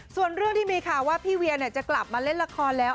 ส่วนเรื่องที่มีข่าวว่าพี่เวียจะกลับมาเล่นละครแล้ว